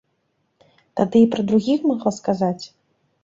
Тады і пра другіх магла сказаць?